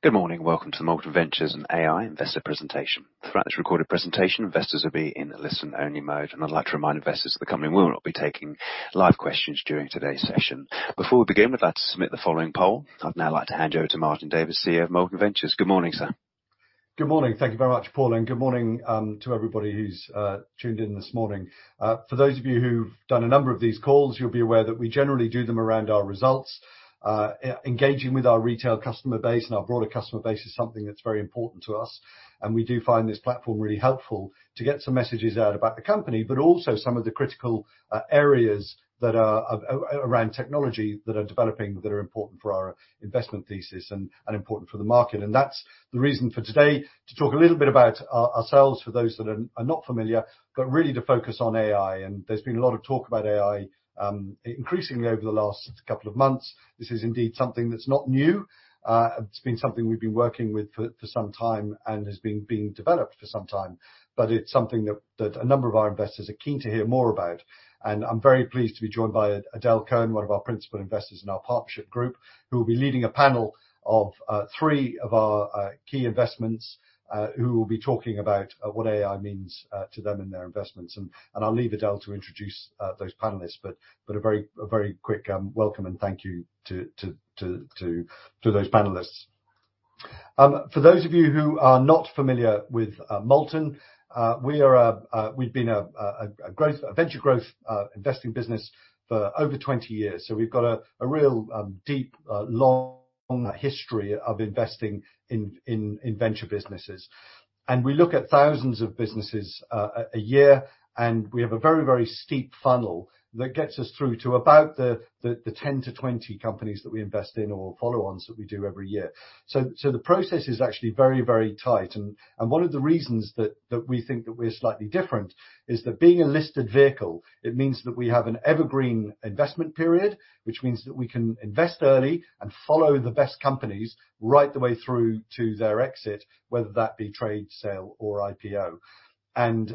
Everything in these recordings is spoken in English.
Good morning. Welcome to the Molten Ventures and AI Investor Presentation. Throughout this recorded presentation, investors will be in listen-only mode, and I'd like to remind investors that the company will not be taking live questions during today's session. Before we begin, we'd like to submit the following poll. I'd now like to hand over to Martin Davis, CEO of Molten Ventures. Good morning, sir. Good morning. Thank you very much, Paul, and good morning to everybody who's tuned in this morning. For those of you who've done a number of these calls, you'll be aware that we generally do them around our results. Engaging with our retail customer base and our broader customer base is something that's very important to us, and we do find this platform really helpful to get some messages out about the company, but also some of the critical areas that are around technology, that are developing, that are important for our investment thesis and important for the market. That's the reason for today, to talk a little bit about ourselves, for those that are not familiar, but really to focus on AI. There's been a lot of talk about AI, increasingly over the last couple of months. This is indeed something that's not new. It's been something we've been working with for some time and has been being developed for some time, but it's something that a number of our investors are keen to hear more about. And I'm very pleased to be joined by Edel Coen, one of our principal investors in our partnership group, who will be leading a panel of three of our key investments, who will be talking about what AI means to them in their investments. I'll leave Edel to introduce those panelists, but a very quick welcome, and thank you to those panelists. For those of you who are not familiar with Molten Ventures, we are a growth, a venture growth investing business for over 20 years. So we've got a real deep long history of investing in venture businesses. We look at thousands of businesses a year, and we have a very, very steep funnel that gets us through to about the 10-20 companies that we invest in or follow-ons that we do every year. The process is actually very, very tight, and one of the reasons that we think that we're slightly different is that being a listed vehicle, it means that we have an evergreen investment period, which means that we can invest early and follow the best companies right the way through to their exit, whether that be trade, sale, or IPO. And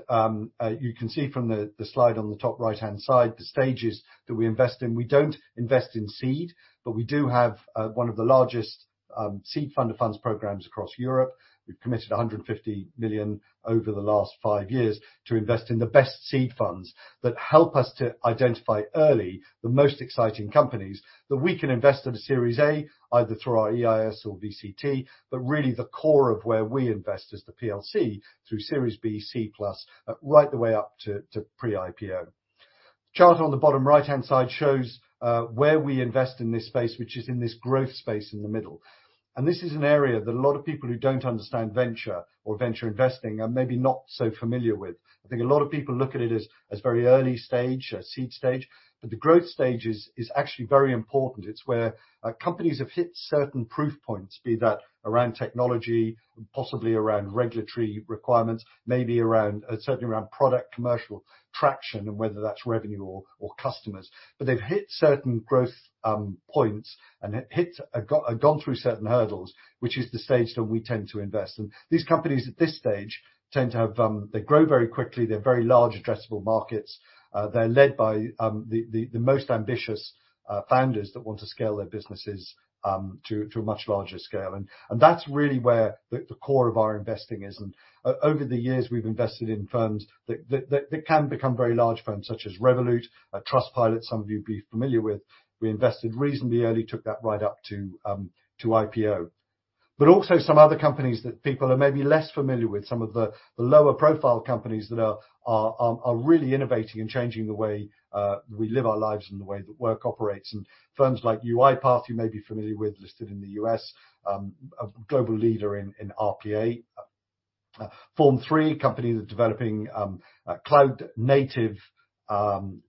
you can see from the slide on the top right-hand side, the stages that we invest in. We don't invest in seed, but we do have one of the largest seed fund of funds programs across Europe. We've committed 150 million over the last five years to invest in the best seed funds that help us to identify early, the most exciting companies that we can invest in a Series A, either through our EIS or VCT, but really the core of where we invest as the PLC, through Series B, C+, right the way up to, to pre-IPO. The chart on the bottom right-hand side shows where we invest in this space, which is in this growth space in the middle. And this is an area that a lot of people who don't understand venture or venture investing are maybe not so familiar with. I think a lot of people look at it as, as very early stage, as seed stage, but the growth stage is, is actually very important. It's where companies have hit certain proof points, be that around technology, possibly around regulatory requirements, maybe around, certainly around product, commercial traction, and whether that's revenue or customers. They've hit certain growth points and gone through certain hurdles, which is the stage that we tend to invest. These companies at this stage tend to have... They grow very quickly, they're very large addressable markets. They're led by the most ambitious founders that want to scale their businesses to a much larger scale. That's really where the core of our investing is. Over the years, we've invested in firms that can become very large firms, such as Revolut, Trustpilot, some of you be familiar with. We invested reasonably early, took that right up to IPO. But also some other companies that people are maybe less familiar with, some of the lower profile companies that are really innovating and changing the way we live our lives and the way that work operates. And firms like UiPath, you may be familiar with, listed in the U.S., a global leader in RPA. Form3, companies are developing cloud native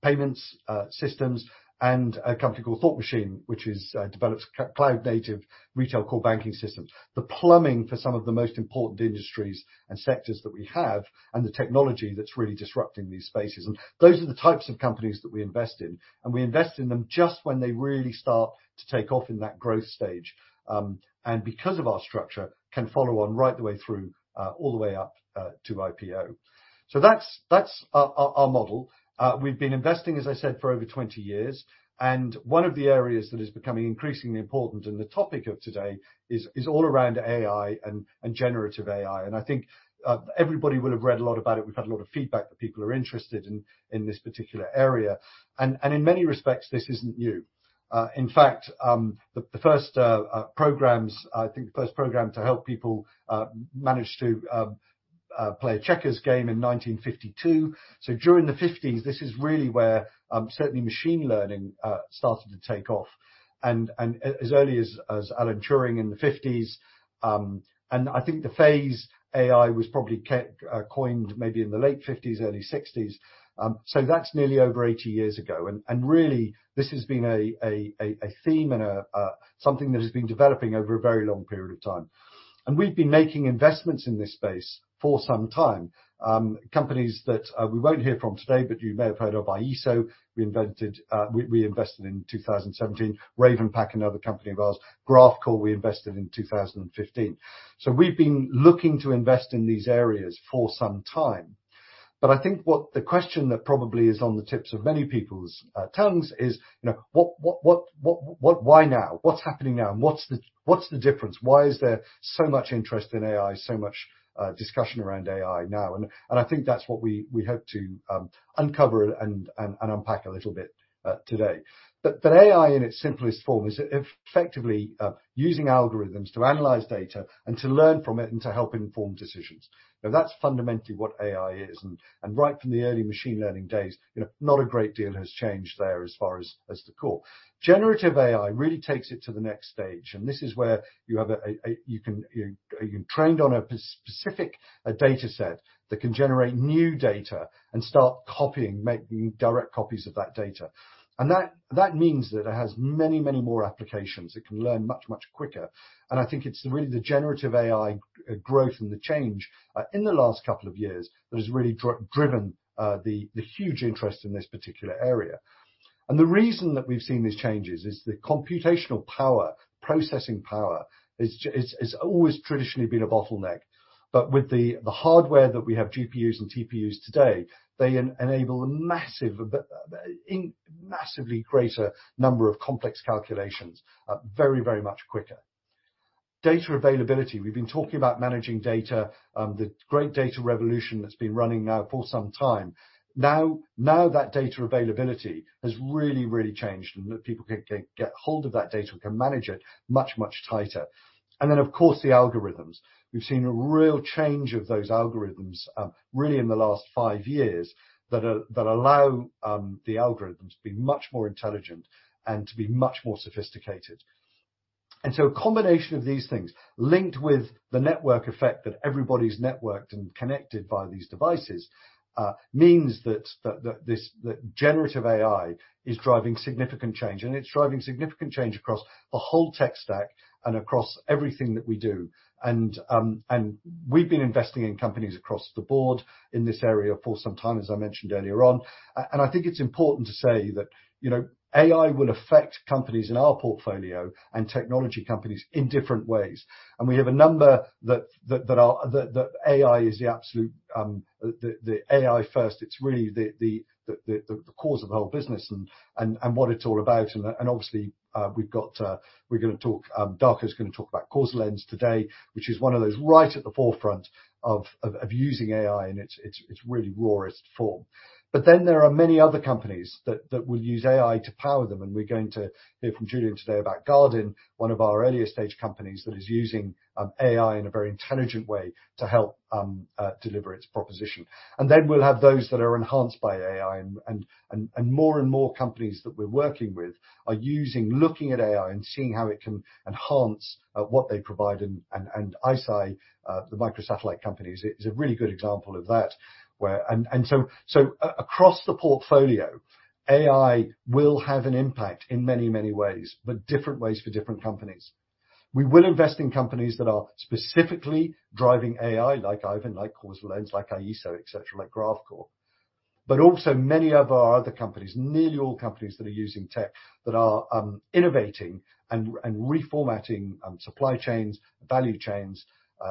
payments systems, and a company called Thought Machine, which develops cloud native retail core banking systems. The plumbing for some of the most important industries and sectors that we have, and the technology that's really disrupting these spaces. Those are the types of companies that we invest in, and we invest in them just when they really start to take off in that growth stage. And because of our structure, can follow on right the way through, all the way up, to IPO. So that's our model. We've been investing, as I said, for over 20 years, and one of the areas that is becoming increasingly important, and the topic of today, is all around AI and generative AI. And I think, everybody will have read a lot about it. We've had a lot of feedback that people are interested in this particular area. In many respects, this isn't new. In fact, the first programs, I think the first program to help people manage to play a checkers game in 1952. During the '50s, this is really where, certainly machine learning started to take off. As early as Alan Turing in the '50s, and I think the phase AI was probably coined maybe in the late '50s, early '60s. That's nearly over 80 years ago. Really, this has been a theme and something that has been developing over a very long period of time. We've been making investments in this space for some time. Companies that we won't hear from today, but you may have heard of Leso, we invested in 2017. RavenPack, another company of ours. Graphcore, we invested in 2015. So we've been looking to invest in these areas for some time. But I think what the question that probably is on the tips of many people's tongues is, you know, what, what, what, what, what, why now? What's happening now? And what's the difference? Why is there so much interest in AI, so much discussion around AI now? And I think that's what we hope to uncover and unpack a little bit today. But AI, in its simplest form, is effectively using algorithms to analyze data and to learn from it, and to help inform decisions. Now, that's fundamentally what AI is, and right from the early machine learning days, you know, not a great deal has changed there as far as the core. Generative AI really takes it to the next stage, and this is where you have a-- you trained on a specific dataset that can generate new data and start copying, making direct copies of that data. That means that it has many, many more applications. It can learn much, much quicker, and I think it's really the generative AI growth and the change in the last couple of years that has really driven the huge interest in this particular area. The reason that we've seen these changes is the computational power, processing power is always traditionally been a bottleneck, but with the hardware that we have, GPUs and TPUs today, they enable a massively greater number of complex calculations very, very much quicker. Data availability. We've been talking about managing data, the great data revolution that's been running now for some time. Now that data availability has really, really changed and that people can get hold of that data, can manage it much, much tighter. Then, of course, the algorithms. We've seen a real change of those algorithms really in the last five years that allow the algorithms to be much more intelligent and to be much more sophisticated. And so a combination of these things, linked with the network effect that everybody's networked and connected via these devices, means that generative AI is driving significant change, and it's driving significant change across the whole tech stack and across everything that we do. And we've been investing in companies across the board in this area for some time, as I mentioned earlier on. And I think it's important to say that, you know, AI will affect companies in our portfolio and technology companies in different ways. And we have a number that are... That AI is the absolute, the AI first, it's really the cause of the whole business and what it's all about. And obviously, we've got... We're going to talk, Darko's going to talk about causaLens today, which is one of those right at the forefront of using AI in its really rawest form. But then there are many other companies that will use AI to power them, and we're going to hear from Julian today about Gardin, one of our earlier stage companies that is using AI in a very intelligent way to help deliver its proposition. And then we'll have those that are enhanced by AI, and more and more companies that we're working with are using, looking at AI and seeing how it can enhance what they provide. ICEYE, the microsatellite company, is a really good example of that, where-- So across the portfolio, AI will have an impact in many, many ways, but different ways for different companies. We will invest in companies that are specifically driving AI, like Aiven, like causaLens, like Aiso, et cetera, like Graphcore, but also many of our other companies, nearly all companies that are using tech, that are innovating and reformatting supply chains, value chains,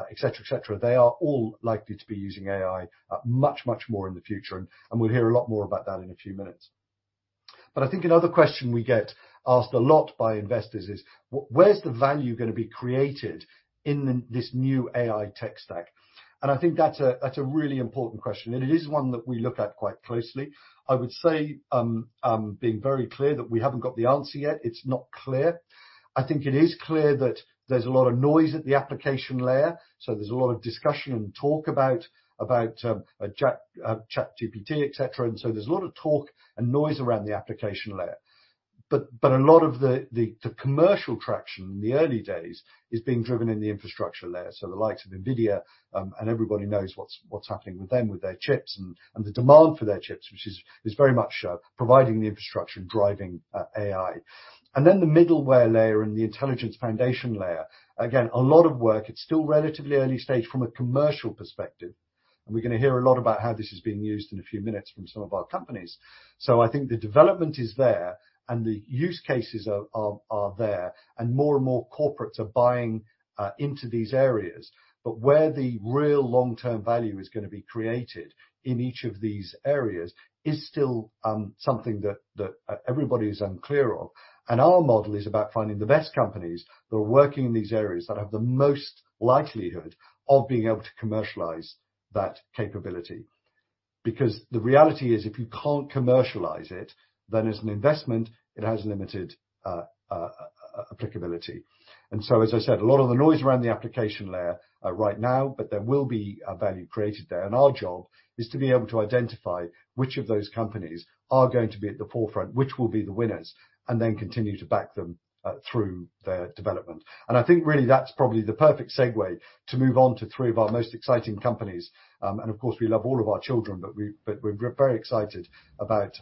et cetera, et cetera. They are all likely to be using AI much, much more in the future, and we'll hear a lot more about that in a few minutes. I think another question we get asked a lot by investors is: Where's the value going to be created in this new AI tech stack? I think that's a really important question, and it is one that we look at quite closely. I would say, being very clear, that we haven't got the answer yet. It's not clear. I think it is clear that there's a lot of noise at the application layer, so there's a lot of discussion and talk about, about, ChatGPT, et cetera, and so there's a lot of talk and noise around the application layer. A lot of the commercial traction in the early days is being driven in the infrastructure layer, so the likes of NVIDIA, and everybody knows what's happening with them, with their chips and the demand for their chips, which is very much providing the infrastructure and driving AI. And then the middleware layer and the intelligence foundation layer, again, a lot of work. It's still relatively early stage from a commercial perspective, and we're going to hear a lot about how this is being used in a few minutes from some of our companies. So I think the development is there, and the use cases are there, and more and more corporates are buying into these areas. But where the real long-term value is going to be created in each of these areas is still something that everybody is unclear on. And our model is about finding the best companies that are working in these areas, that have the most likelihood of being able to commercialize that capability. Because the reality is, if you can't commercialize it, then as an investment, it has limited applicability. As I said, a lot of the noise around the application layer right now, but there will be value created there, and our job is to be able to identify which of those companies are going to be at the forefront, which will be the winners, and then continue to back them through their development. I think really that's probably the perfect segue to move on to three of our most exciting companies, and of course, we love all of our children, but we're very excited about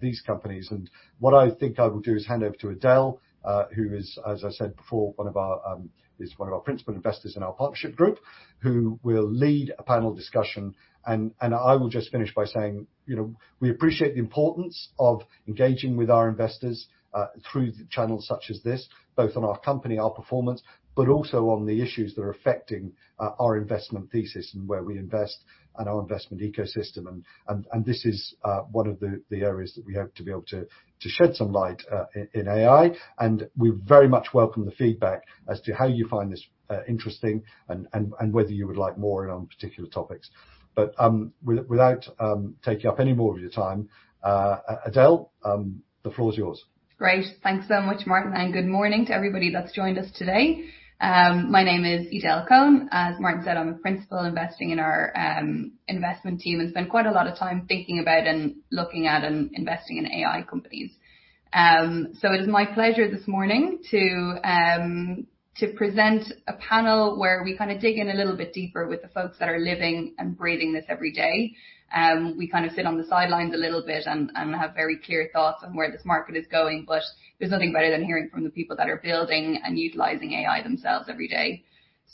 these companies. What I think I will do is hand over to Edel, who is, as I said before, one of our principal investors in our partnership group, who will lead a panel discussion. I will just finish by saying, you know, we appreciate the importance of engaging with our investors through the channels such as this, both on our company, our performance, but also on the issues that are affecting our investment thesis and where we invest and our investment ecosystem. And this is one of the areas that we hope to be able to shed some light in AI, and we very much welcome the feedback as to how you find this interesting and whether you would like more in on particular topics. But without taking up any more of your time, Edel, the floor is yours. Great. Thanks so much, Martin, and good morning to everybody that's joined us today. My name is Edel Coen. As Martin said, I'm a principal investing in our investment team and spend quite a lot of time thinking about and looking at and investing in AI companies. So it is my pleasure this morning to present a panel where we kind of dig in a little bit deeper with the folks that are living and breathing this every day. We kind of sit on the sidelines a little bit and have very clear thoughts on where this market is going, but there's nothing better than hearing from the people that are building and utilizing AI themselves every day.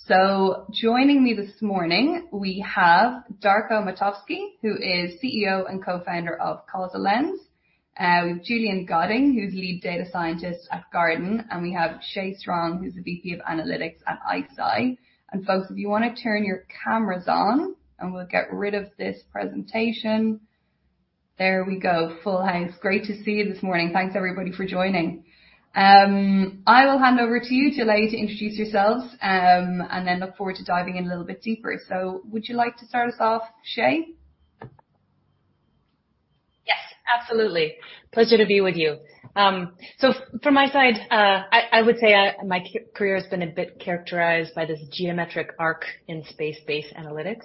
So joining me this morning, we have Darko Matovski, who is CEO and co-founder of causaLens. We have Julian Sheridan, who's lead data scientist at Gardin, and we have Shay Har-Noy, who's the VP of analytics at ICEYE. And folks, if you wanna turn your cameras on, and we'll get rid of this presentation. There we go. Full house. Great to see you this morning. Thanks, everybody, for joining. I will hand over to you today to introduce yourselves, and then look forward to diving in a little bit deeper. So would you like to start us off, Shay? Yes, absolutely. Pleasure to be with you. So from my side, I would say my career has been a bit characterized by this geometric arc in space-based analytics.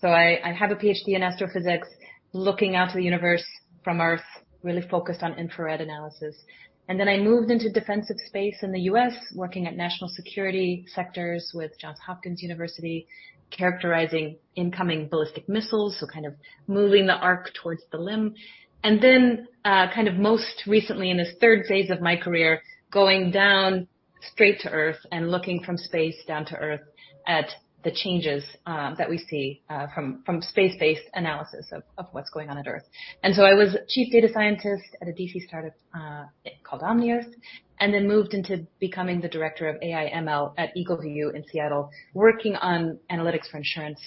So I have a PhD in astrophysics, looking out to the universe from Earth, really focused on infrared analysis. And then I moved into defensive space in the U.S., working at national security sectors with Johns Hopkins University, characterizing incoming ballistic missiles, so kind of moving the arc towards the limb. And then, kind of most recently in this third phase of my career, going down straight to Earth and looking from space down to Earth at the changes that we see from space-based analysis of what's going on at Earth. And so I was chief data scientist at a D.C. startup, called OmniEarth, and then moved into becoming the director of AI/ML at EagleView in Seattle, working on analytics for insurance,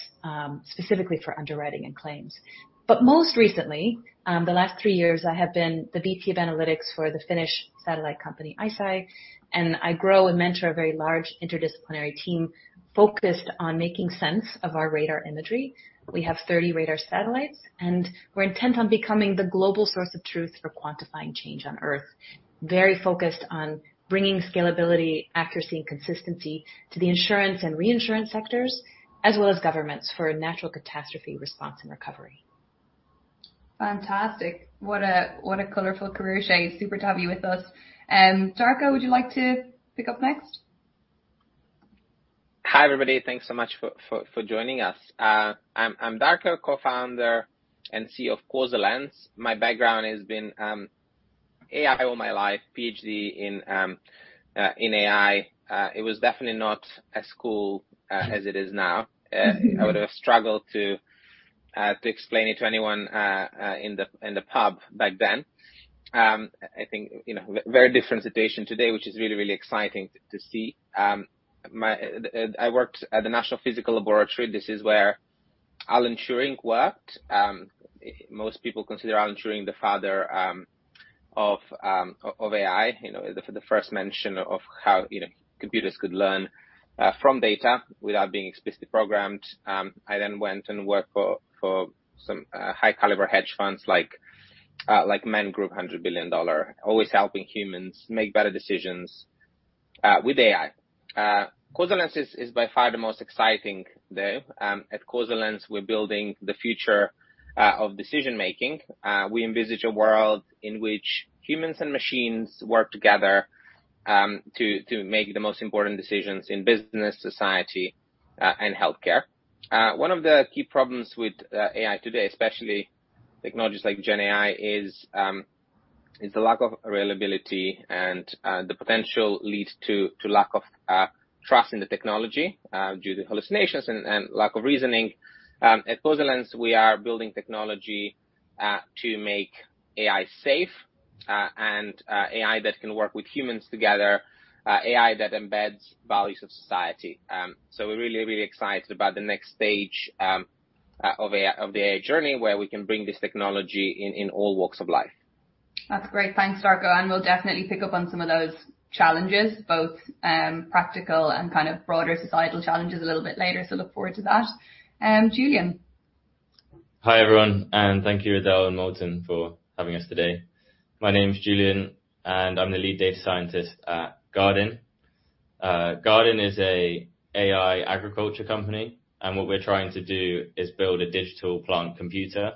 specifically for underwriting and claims. But most recently, the last three years, I have been the VP of analytics for the Finnish satellite company, ICEYE, and I grow and mentor a very large interdisciplinary team focused on making sense of our radar imagery. We have 30 radar satellites, and we're intent on becoming the global source of truth for quantifying change on Earth. Very focused on bringing scalability, accuracy, and consistency to the insurance and reinsurance sectors, as well as governments for natural catastrophe response and recovery. Fantastic. What a, what a colorful career, Shay. Super to have you with us. Darko, would you like to pick up next? Hi, everybody. Thanks so much for joining us. I'm Darko, co-founder and CEO of causaLens. My background has been AI all my life, PhD in AI. It was definitely not as cool as it is now. Mm-hmm. I would have struggled to explain it to anyone in the pub back then. I think, you know, very different situation today, which is really, really exciting to see. I worked at the National Physical Laboratory. This is where Alan Turing worked. Most people consider Alan Turing the father of AI, you know, the first mention of how, you know, computers could learn from data without being explicitly programmed. I then went and worked for some high caliber hedge funds like Man Group, $100 billion, always helping humans make better decisions with AI. causaLens is by far the most exciting, though. At causaLens, we're building the future of decision-making. We envisage a world in which humans and machines work together to make the most important decisions in business, society, and healthcare. One of the key problems with AI today, especially technologies like GenAI, is the lack of reliability and the potential to lead to lack of trust in the technology due to hallucinations and lack of reasoning. At causaLens, we are building technology to make AI safe and AI that can work with humans together, AI that embeds values of society. So we're really, really excited about the next stage of AI, of the AI journey, where we can bring this technology in all walks of life. That's great. Thanks, Darko, and we'll definitely pick up on some of those challenges, both practical and kind of broader societal challenges a little bit later. So look forward to that. Julian? Hi, everyone, and thank you, Edel and Molten, for having us today. My name is Julian, and I'm the lead data scientist at Gardin. Gardin is an AI agriculture company, and what we're trying to do is build a digital plant computer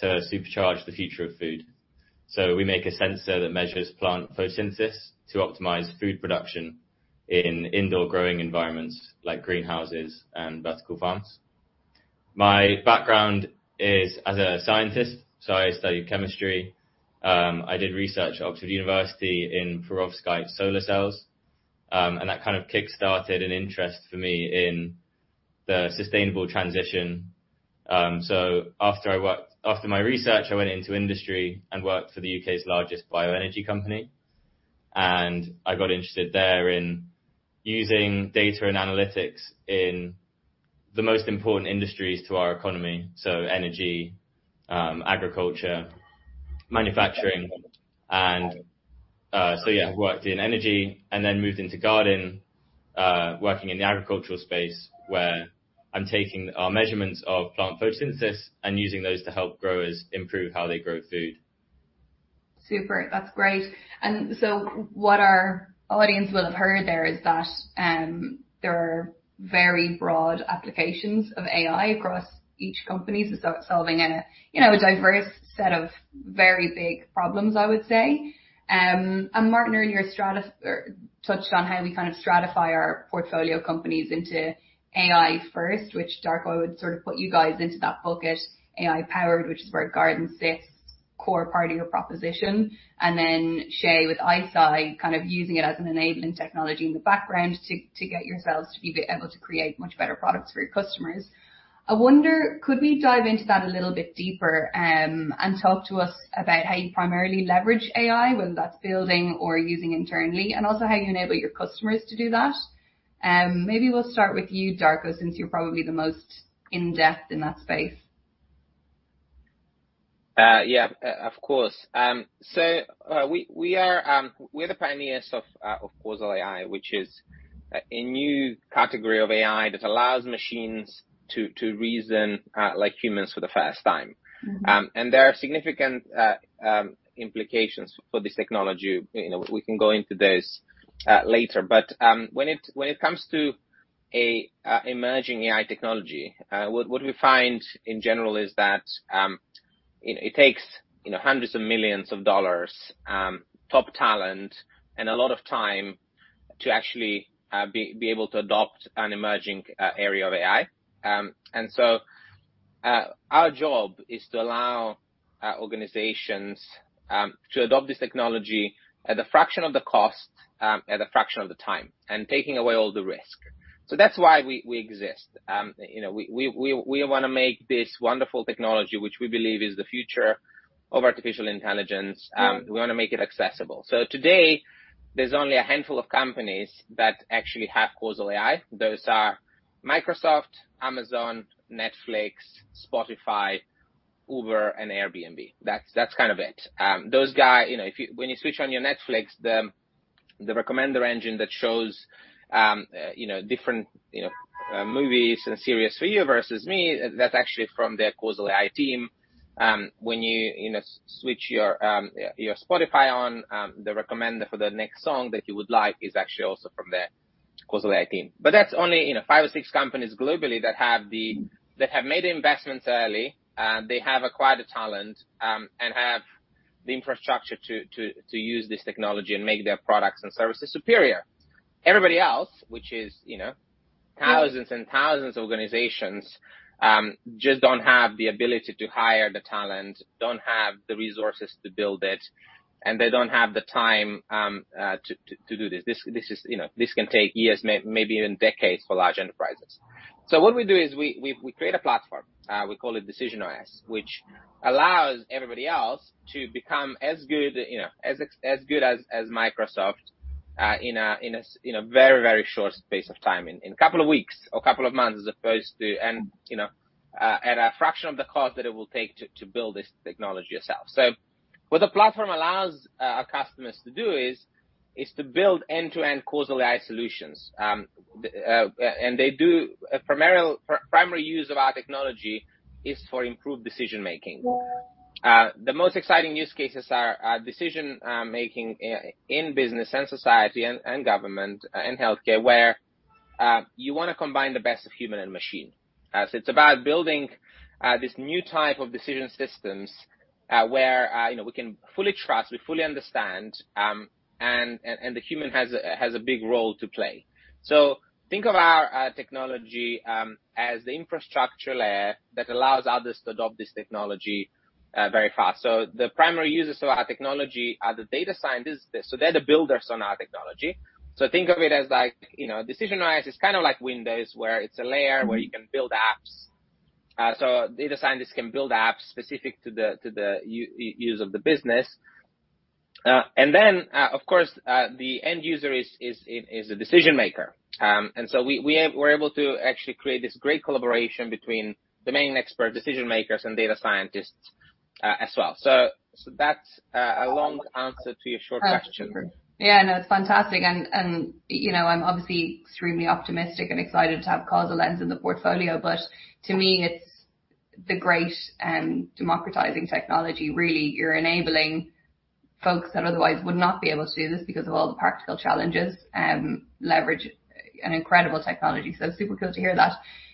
to supercharge the future of food. We make a sensor that measures plant photosynthesis to optimize food production in indoor growing environments like greenhouses and vertical farms. My background is as a scientist. I studied chemistry. I did research at Oxford University in perovskite solar cells, and that kind of kickstarted an interest for me in the sustainable transition. After my research, I went into industry and worked for the U.K.'s largest bioenergy company, and I got interested there in using data and analytics in the most important industries to our economy, like energy, agriculture, manufacturing. So yeah, I worked in energy and then moved into Gardin, working in the agricultural space, where I'm taking our measurements of plant photosynthesis and using those to help growers improve how they grow food. Super. That's great. And so what our audience will have heard there is that there are very broad applications of AI across each company. So solving, you know, a diverse set of very big problems, I would say. And Martin, earlier touched on how we kind of stratify our portfolio companies into AI first, which Darko would sort of put you guys into that bucket. AI powered, which is where Gardin sits, core part of your proposition, and then Shay, with ICEYE, kind of using it as an enabling technology in the background to get yourselves to be able to create much better products for your customers. I wonder, could we dive into that a little bit deeper, and talk to us about how you primarily leverage AI, whether that's building or using internally, and also how you enable your customers to do that? Maybe we'll start with you, Darko, since you're probably the most in-depth in that space. Yeah, of course. So, we are, we're the pioneers of Causal AI, which is a new category of AI that allows machines to reason like humans for the first time. Mm-hmm. There are significant implications for this technology. You know, we can go into this later. When it comes to emerging AI technology, what we find in general is that it takes hundreds of millions of dollars, top talent, and a lot of time to actually be able to adopt an emerging area of AI. Our job is to allow organizations to adopt this technology at a fraction of the cost, at a fraction of the time, and taking away all the risk. That's why we exist. You know, we wanna make this wonderful technology, which we believe is the future of artificial intelligence, we wanna make it accessible. So today, there's only a handful of companies that actually have Causal AI. Those are Microsoft, Amazon, Netflix, Spotify, Uber, and Airbnb. That's, that's kind of it. You know, if you—when you switch on your Netflix, the recommender engine that shows you know, different, you know, movies and series for you versus me, that's actually from their Causal AI team. When you, you know, switch your Spotify on, the recommender for the next song that you would like is actually also from their Causal AI team. But that's only, you know, five or six companies globally that have the- Mm-hmm.... that have made the investments early, they have acquired the talent, and have the infrastructure to use this technology and make their products and services superior. Everybody else, which is, you know, thousands and thousands of organizations, just don't have the ability to hire the talent, don't have the resources to build it, and they don't have the time, to do this. This is, you know, this can take years, maybe even decades for large enterprises. So what we do is we create a platform, we call it DecisionOS, which allows everybody else to become as good, you know, as good as, as Microsoft, in a very, very short space of time, in a couple of weeks or couple of months, as opposed to... You know, at a fraction of the cost that it will take to build this technology yourself. So what the platform allows our customers to do is to build end-to-end Causal AI solutions. A primary use of our technology is for improved decision making. The most exciting use cases are decision making in business and society, and government, and healthcare, where you wanna combine the best of human and machine. So it's about building this new type of decision systems where you know, we can fully trust, we fully understand, and the human has a big role to play. So think of our technology as the infrastructure layer that allows others to adopt this technology very fast. The primary users of our technology are the data scientists. They're the builders on our technology. Think of it as like, you know, DecisionOS is kind of like Windows, where it's a layer- Mm-hmm. -where you can build apps. So data scientists can build apps specific to the use of the business. And then, of course, the end user is a decision maker. And so we are able to actually create this great collaboration between domain expert, decision makers, and data scientists, as well. So that's a long answer to your short question. Yeah, no, it's fantastic. And, and, you know, I'm obviously extremely optimistic and excited to have causaLens in the portfolio, but to me, it's the great democratizing technology, really. You're enabling folks that otherwise would not be able to do this because of all the practical challenges, leverage an incredible technology. So super cool to hear that.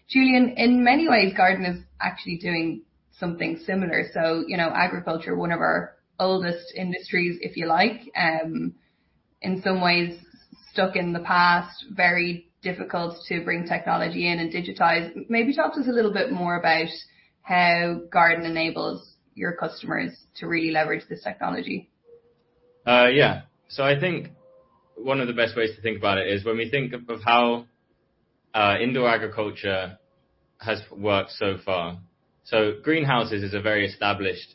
Julian, in many ways, Gardin is actually doing something similar. So, you know, agriculture, one of our oldest industries, if you like, in some ways stuck in the past, very difficult to bring technology in and digitize. Maybe talk to us a little bit more about how Gardin enables your customers to really leverage this technology. Yeah. So I think one of the best ways to think about it is when we think of, of how, indoor agriculture has worked so far. So greenhouses is a very established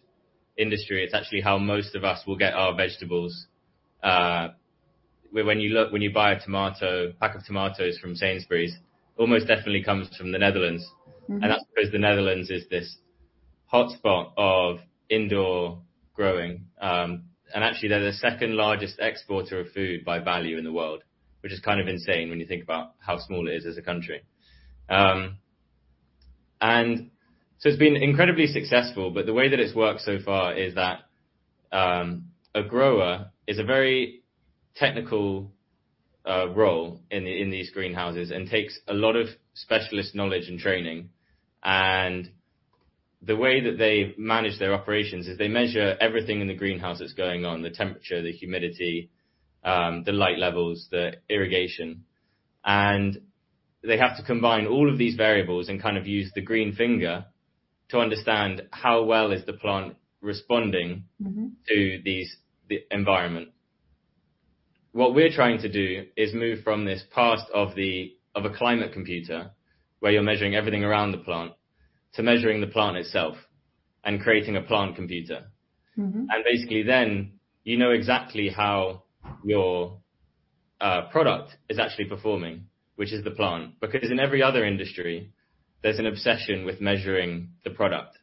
industry. It's actually how most of us will get our vegetables. When, when you look-- when you buy a tomato, pack of tomatoes from Sainsbury's, almost definitely comes from the Netherlands. Mm-hmm. And that's because the Netherlands is this hotspot of indoor growing. And actually, they're the second largest exporter of food by value in the world, which is kind of insane when you think about how small it is as a country. And so it's been incredibly successful, but the way that it's worked so far is that, a grower is a very technical role in these greenhouses and takes a lot of specialist knowledge and training. And the way that they manage their operations is they measure everything in the greenhouse that's going on: the temperature, the humidity, the light levels, the irrigation. And they have to combine all of these variables and kind of use the green finger to understand how well is the plant responding- Mm-hmm. to these, the environment. What we're trying to do is move from this past of a climate computer, where you're measuring everything around the plant, to measuring the plant itself and creating a plant computer. Mm-hmm. Basically then, you know exactly how your product is actually performing, which is the plant. Because in every other industry, there's an obsession with measuring the product.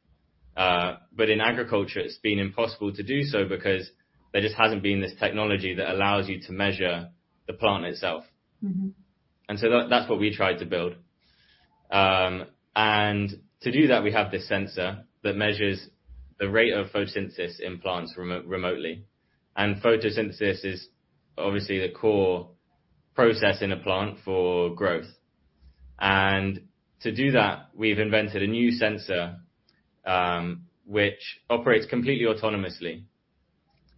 But in agriculture, it's been impossible to do so because there just hasn't been this technology that allows you to measure the plant itself. Mm-hmm. That's what we tried to build. To do that, we have this sensor that measures the rate of photosynthesis in plants remotely, and photosynthesis is obviously the core process in a plant for growth. To do that, we've invented a new sensor, which operates completely autonomously.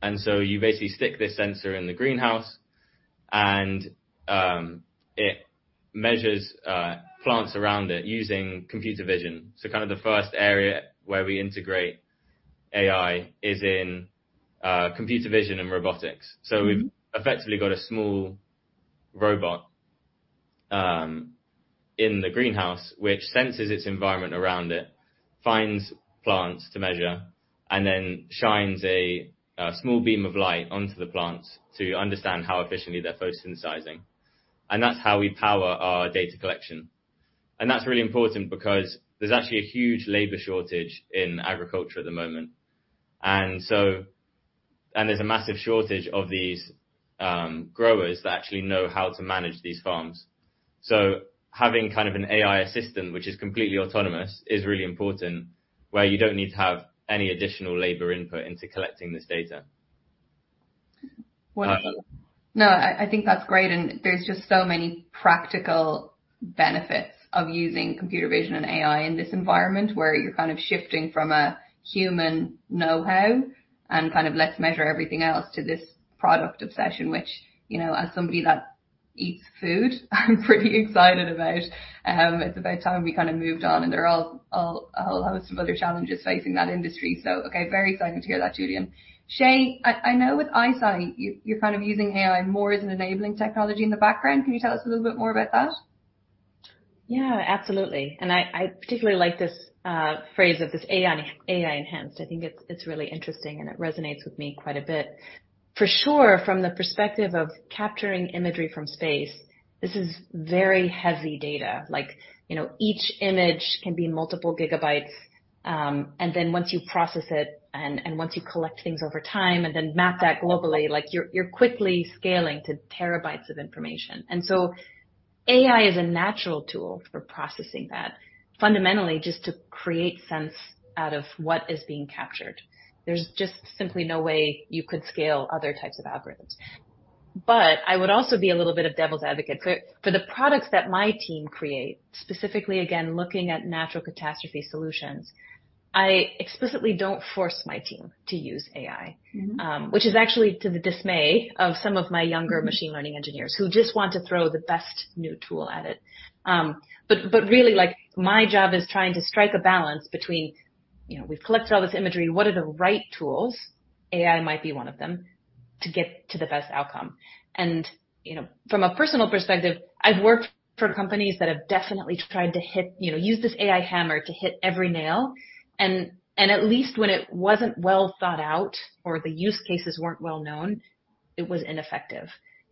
You basically stick this sensor in the greenhouse, and it measures plants around it using computer vision. Kinda the first area where we integrate AI is in computer vision and robotics. Mm-hmm. So we've effectively got a small robot in the greenhouse, which senses its environment around it, finds plants to measure, and then shines a small beam of light onto the plants to understand how efficiently they're photosynthesizing. That's how we power our data collection. That's really important because there's actually a huge labor shortage in agriculture at the moment. There's a massive shortage of these growers that actually know how to manage these farms. So having kind of an AI assistant, which is completely autonomous, is really important, where you don't need to have any additional labor input into collecting this data. Well, no, I, I think that's great, and there's just so many practical benefits of using computer vision and AI in this environment, where you're kind of shifting from a human know-how and kind of let's measure everything else to this product obsession, which, you know, as somebody that eats food, I'm pretty excited about. It's about time we kind of moved on, and there are all, a whole host of other challenges facing that industry. So, okay, very exciting to hear that, Julian. Shay, I, I know with ICEYE, you, you're kind of using AI more as an enabling technology in the background. Can you tell us a little bit more about that? Yeah, absolutely. I particularly like this phrase of this AI, AI enhanced. I think it's really interesting, and it resonates with me quite a bit. For sure, from the perspective of capturing imagery from space, this is very heavy data. Like, you know, each image can be multiple gigabytes, and then once you process it, and once you collect things over time, and then map that globally, like you're quickly scaling to terabytes of information. AI is a natural tool for processing that. Fundamentally, just to create sense out of what is being captured. There's just simply no way you could scale other types of algorithms. I would also be a little bit of devil's advocate. For the products that my team creates, specifically, again, looking at natural catastrophe solutions, I explicitly don't force my team to use AI. Mm-hmm. which is actually to the dismay of some of my younger machine learning engineers who just want to throw the best new tool at it. But, but really, like, my job is trying to strike a balance between, you know, we've collected all this imagery, what are the right tools, AI might be one of them, to get to the best outcome? And, you know, from a personal perspective, I've worked for companies that have definitely tried to hit, you know, use this AI hammer to hit every nail, and, and at least when it wasn't well thought out or the use cases weren't well known, it was ineffective.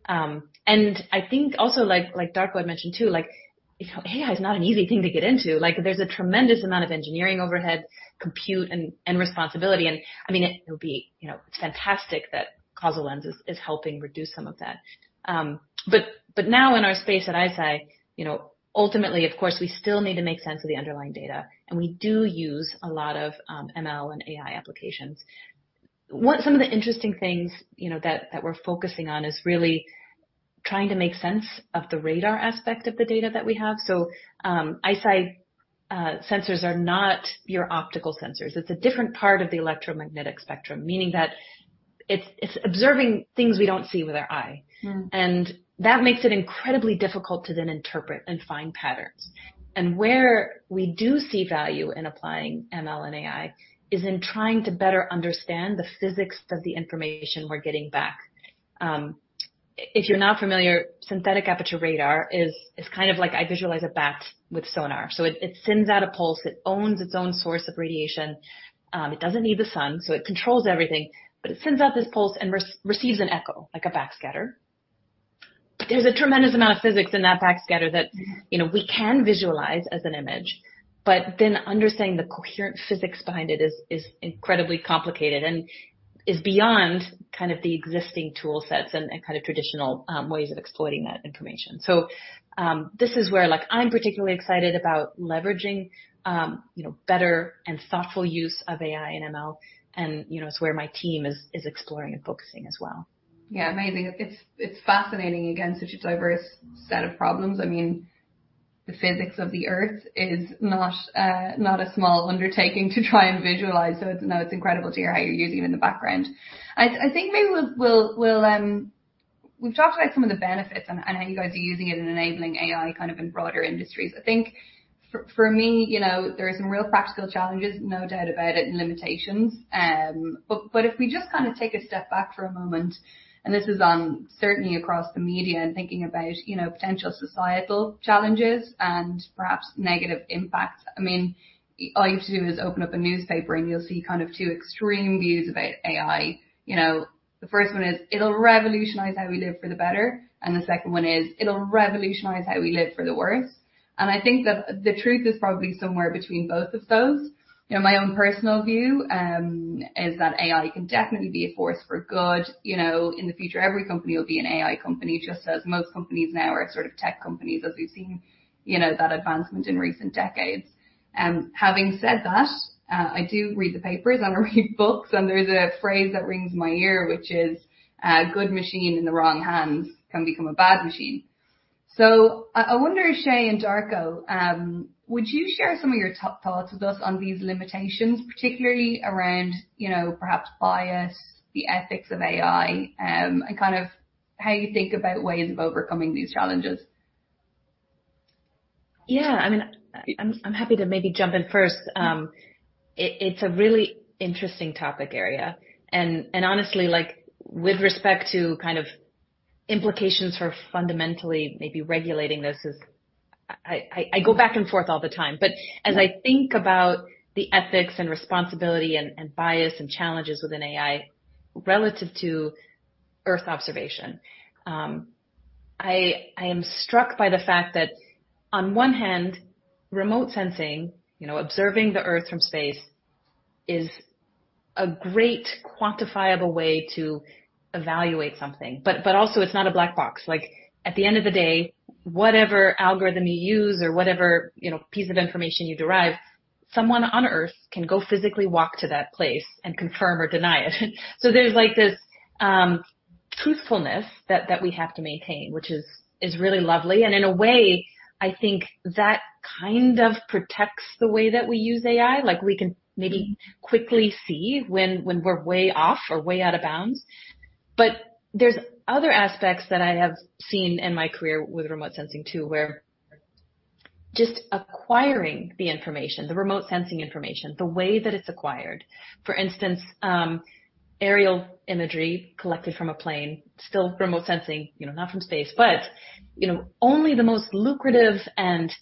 And I think also, like, like Darko had mentioned, too, like, you know, AI is not an easy thing to get into. Like, there's a tremendous amount of engineering overhead, compute, and responsibility, and, I mean, it'll be, you know, fantastic that causaLens is helping reduce some of that. But now in our space at ICEYE, you know, ultimately, of course, we still need to make sense of the underlying data, and we do use a lot of ML and AI applications. What some of the interesting things, you know, that we're focusing on is really trying to make sense of the radar aspect of the data that we have. So, ICEYE sensors are not your optical sensors. It's a different part of the electromagnetic spectrum, meaning that it's observing things we don't see with our eye. Mm. That makes it incredibly difficult to then interpret and find patterns. Where we do see value in applying ML and AI is in trying to better understand the physics of the information we're getting back. If you're not familiar, Synthetic Aperture Radar is kind of like I visualize a bat with sonar. So it sends out a pulse, it owns its own source of radiation, it doesn't need the sun, so it controls everything, but it sends out this pulse and receives an echo, like a backscatter. There's a tremendous amount of physics in that backscatter that- Mm... you know, we can visualize as an image, but then understanding the coherent physics behind it is incredibly complicated and is beyond kind of the existing toolsets and kind of traditional ways of exploiting that information. So, this is where, like, I'm particularly excited about leveraging you know, better and thoughtful use of AI and ML, and, you know, it's where my team is exploring and focusing as well. Yeah, amazing. It's, it's fascinating. Again, such a diverse set of problems. I mean, the physics of the Earth is not, not a small undertaking to try and visualize. It's incredible to hear how you're using it in the background. I think maybe we'll, we'll, we'll... We've talked about some of the benefits and how you guys are using it in enabling AI kind of in broader industries. I think for me, you know, there are some real practical challenges, no doubt about it, and limitations. If we just kinda take a step back for a moment, and this is on certainly across the media and thinking about, you know, potential societal challenges and perhaps negative impacts. I mean, all you have to do is open up a newspaper, and you'll see kind of two extreme views about AI. You know, the first one is, it'll revolutionize how we live for the better, and the second one is, it'll revolutionize how we live for the worse. And I think that the truth is probably somewhere between both of those. You know, my own personal view is that AI can definitely be a force for good. You know, in the future, every company will be an AI company, just as most companies now are sort of tech companies, as we've seen, you know, that advancement in recent decades. Having said that, I do read the papers, and I read books, and there's a phrase that rings in my ear, which is, "A good machine in the wrong hands can become a bad machine." So I wonder, Shay and Darko, would you share some of your top thoughts with us on these limitations, particularly around, you know, perhaps bias, the ethics of AI, and kind of how you think about ways of overcoming these challenges? Yeah, I mean, I'm happy to maybe jump in first. It's a really interesting topic area, and honestly, like, with respect to kind of implications for fundamentally maybe regulating this is... I go back and forth all the time. But as I think about the ethics and responsibility and bias and challenges within AI relative to Earth observation, I am struck by the fact that on one hand, remote sensing, you know, observing the Earth from space is a great quantifiable way to evaluate something, but also it's not a black box. Like, at the end of the day, whatever algorithm you use or whatever, you know, piece of information you derive, someone on Earth can go physically walk to that place and confirm or deny it. So there's, like, this truthfulness that we have to maintain, which is really lovely, and in a way, I think that kind of protects the way that we use AI. Like, we can maybe quickly see when we're way off or way out of bounds. But there's other aspects that I have seen in my career with remote sensing, too, where just acquiring the information, the remote sensing information, the way that it's acquired. For instance, aerial imagery collected from a plane, still remote sensing, you know, not from space, but, you know, only the most lucrative and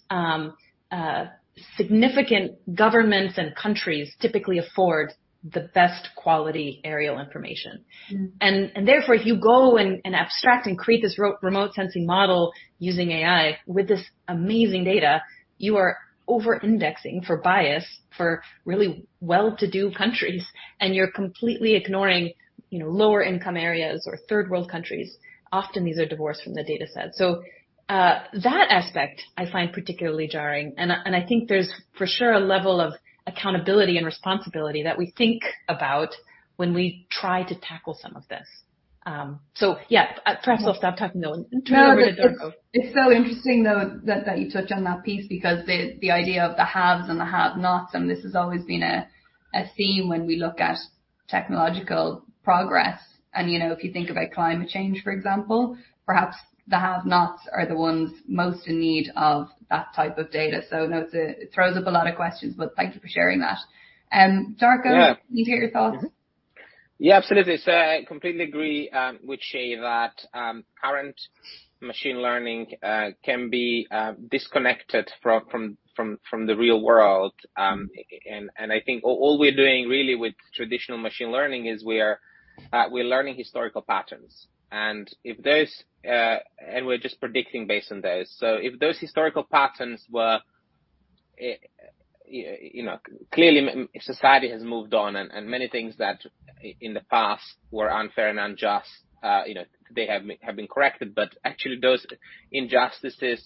significant governments and countries typically afford the best quality aerial information. Mm. Therefore, if you go and abstract and create this remote sensing model using AI with this amazing data, you are overindexing for bias for really well-to-do countries, and you're completely ignoring, you know, lower-income areas or third-world countries. Often, these are divorced from the dataset. So, that aspect I find particularly jarring, and I think there's for sure a level of accountability and responsibility that we think about when we try to tackle some of this. So, yeah, perhaps I'll stop talking, though, and turn over to Darko. It's so interesting, though, that you touch on that piece because the idea of the haves and the have-nots, and this has always been a theme when we look at technological progress. You know, if you think about climate change, for example, perhaps the have-nots are the ones most in need of that type of data. So, it throws up a lot of questions, but thank you for sharing that. Darko- Yeah. Can we hear your thoughts? Yeah, absolutely. I completely agree with Shay that current machine learning can be disconnected from the real world. I think all we're doing really with traditional machine learning is we are learning historical patterns. If those, and we're just predicting based on those. If those historical patterns were, you know, clearly, society has moved on, and many things that in the past were unfair and unjust, you know, they have been corrected, but actually those injustices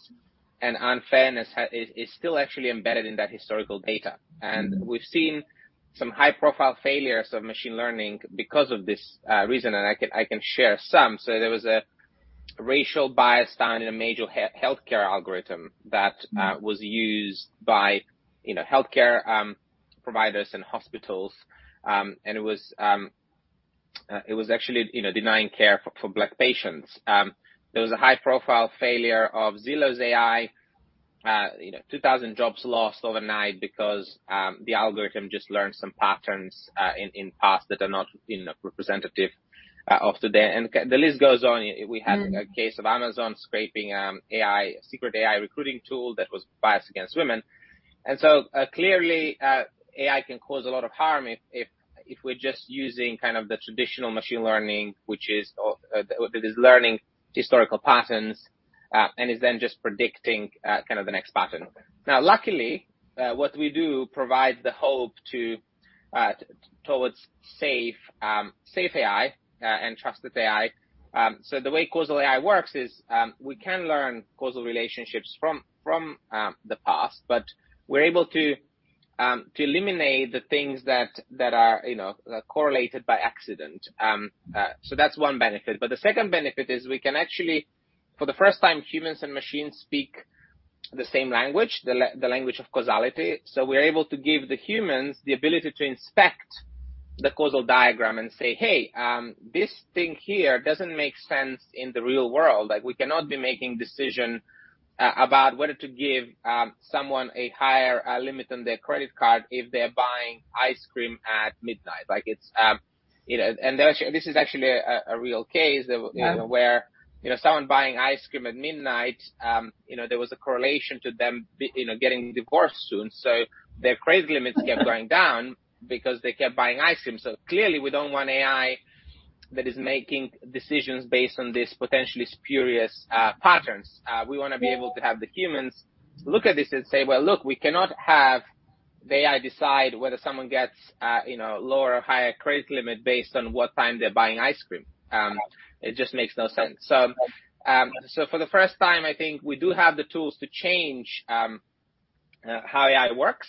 and unfairness is still actually embedded in that historical data. Mm. We've seen some high-profile failures of machine learning because of this reason, and I can, I can share some. There was a racial bias found in a major healthcare algorithm that was used by, you know, healthcare providers and hospitals. It was actually, you know, denying care for Black patients. There was a high-profile failure of Zillow's AI, you know, 2,000 jobs lost overnight because the algorithm just learned some patterns in the past that are not, you know, representative of today. The list goes on. Mm. We had a case of Amazon scraping, AI, secret AI recruiting tool that was biased against women. Clearly, AI can cause a lot of harm if we're just using kind of the traditional machine learning, which is, it is learning historical patterns, and is then just predicting kind of the next pattern. Now, luckily, what we do provides the hope towards safe, safe AI, and trusted AI. The way causal AI works is, we can learn causal relationships from the past, but we're able to eliminate the things that are, you know, correlated by accident. That's one benefit. The second benefit is we can actually, for the first time, humans and machines speak the same language, the language of causality. So we're able to give the humans the ability to inspect the causal diagram and say, "Hey, this thing here doesn't make sense in the real world. Like, we cannot be making decision about whether to give someone a higher limit on their credit card if they're buying ice cream at midnight." Like, it's, you know... And actually, this is actually a real case, where, you know, someone buying ice cream at midnight, you know, there was a correlation to them, you know, getting divorced soon. So their credit limits kept going down because they kept buying ice cream. So clearly, we don't want AI that is making decisions based on these potentially spurious patterns. We wanna be able to have the humans look at this and say, "Well, look, we cannot have the AI decide whether someone gets, you know, lower or higher credit limit based on what time they're buying ice cream." It just makes no sense. So, so for the first time, I think we do have the tools to change, how AI works.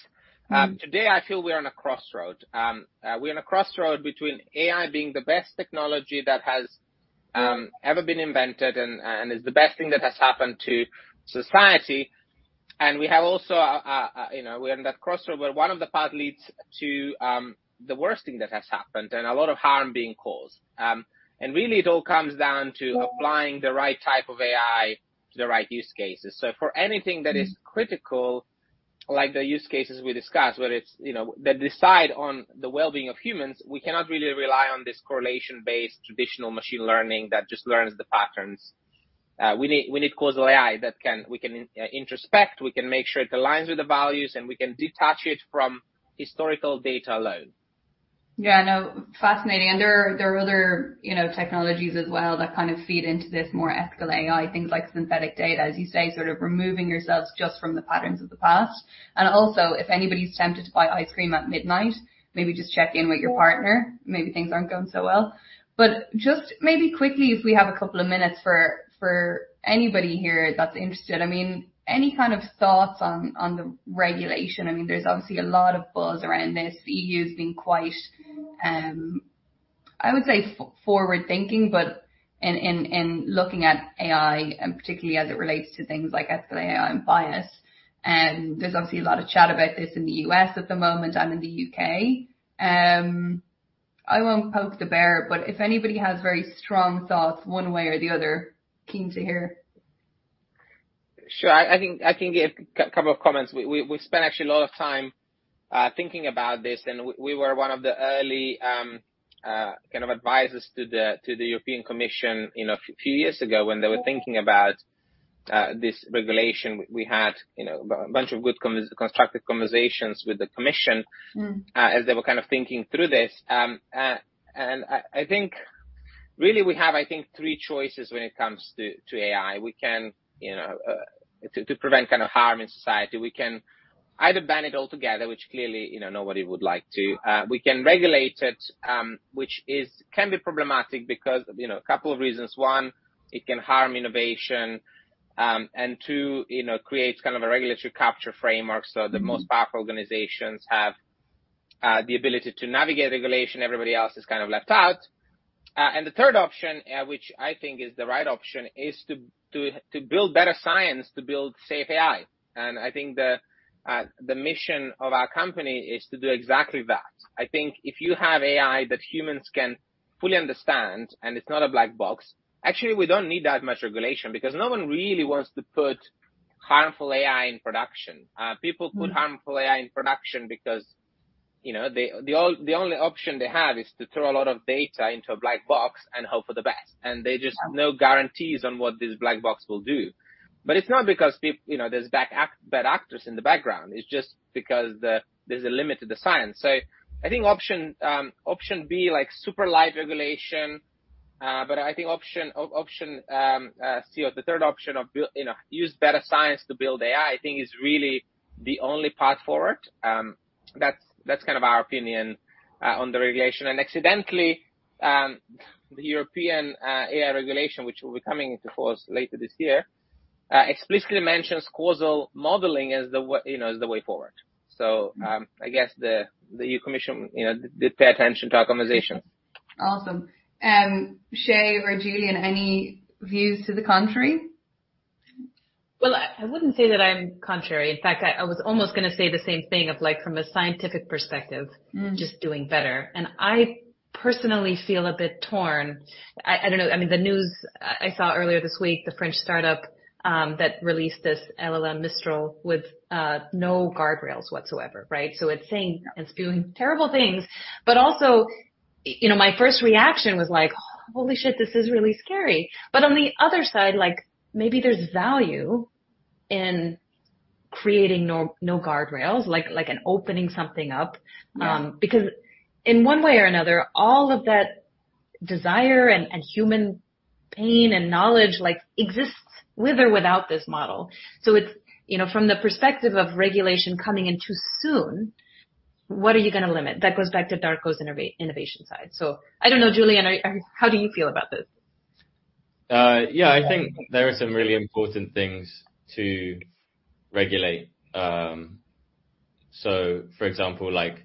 Today, I feel we're on a crossroad. We're on a crossroad between AI being the best technology that has, ever been invented and, and is the best thing that has happened to society. And we have also a, a, a, you know, we're on that crossroad where one of the path leads to, the worst thing that has happened, and a lot of harm being caused. Really, it all comes down to applying the right type of AI to the right use cases. For anything that is critical, like the use cases we discussed, whether it's, you know, that decide on the well-being of humans, we cannot really rely on this correlation-based traditional machine learning that just learns the patterns. We need, we need causal AI that can—we can introspect, we can make sure it aligns with the values, and we can detach it from historical data alone. Yeah, I know. Fascinating. And there are other, you know, technologies as well that kind of feed into this more ethical AI, things like synthetic data, as you say, sort of removing yourselves just from the patterns of the past. And also, if anybody's tempted to buy ice cream at midnight, maybe just check in with your partner. Maybe things aren't going so well. But just maybe quickly, if we have a couple of minutes for anybody here that's interested, I mean, any kind of thoughts on the regulation? I mean, there's obviously a lot of buzz around this. The E.U. has been quite, I would say forward-thinking, but in looking at A.I., and particularly as it relates to things like ethical A.I. and bias, and there's obviously a lot of chat about this in the U.S. at the moment, and in the U.K. I won't poke the bear, but if anybody has very strong thoughts, one way or the other, keen to hear. Sure. I think I can give a couple of comments. We've spent actually a lot of time thinking about this, and we were one of the early kind of advisors to the European Commission, you know, a few years ago when they were thinking about this regulation. We had, you know, a bunch of good constructive conversations with the commission- Mm. As they were kind of thinking through this. I think really we have, I think, three choices when it comes to AI. We can, you know, to prevent kind of harm in society, we can either ban it altogether, which clearly, you know, nobody would like to. We can regulate it, which is- can be problematic because, you know, a couple of reasons: one, it can harm innovation, and two, you know, creates kind of a regulatory capture framework, so the most powerful organizations have the ability to navigate regulation, everybody else is kind of left out. The third option, which I think is the right option, is to build better science, to build safe AI. I think the mission of our company is to do exactly that. I think if you have AI that humans can fully understand, and it's not a black box, actually, we don't need that much regulation because no one really wants to put harmful AI in production. People- Mm. Put harmful AI in production because, you know, the only option they have is to throw a lot of data into a black box and hope for the best, and they just no guarantees on what this black box will do. But it's not because people, you know, there's bad actors in the background, it's just because there's a limit to the science. So I think option B, like super light regulation, but I think option C, or the third option of building, you know, use better science to build AI, I think is really the only path forward. That's, that's kind of our opinion on the regulation. Accidentally, the European AI regulation, which will be coming into force later this year, explicitly mentions causal modeling as the, you know, as the way forward. So, I guess the EU Commission, you know, did pay attention to our conversations. Awesome. Shay or Julian, any views to the contrary? Well, I wouldn't say that I'm contrary. In fact, I was almost going to say the same thing of like, from a scientific perspective- Mm. -just doing better. I personally feel a bit torn. I don't know, I mean, the news I saw earlier this week, the French startup that released this LLM Mistral with no guardrails whatsoever, right? So it's saying it's doing terrible things. But also, you know, my first reaction was like, "this is really scary." But on the other side, like, maybe there's value in creating no guardrails, like, and opening something up. Um. Because in one way or another, all of that desire and, and human pain and knowledge, like, exists with or without this model. So it's, you know, from the perspective of regulation coming in too soon, what are you going to limit? That goes back to Darko's innovation side. So I don't know, Julian, how do you feel about this?... Yeah, I think there are some really important things to regulate. So for example, like,